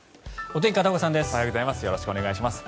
おはようございます。